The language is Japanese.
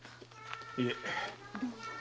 いえ。